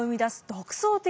独創的？